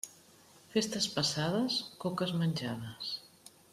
Festes passades, coques menjades.